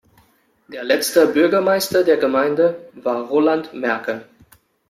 Der letzte Bürgermeister der Gemeinde war Roland Märker.